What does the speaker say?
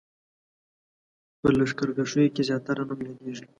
په لښکرکښیو کې زیاتره نوم یادېږي.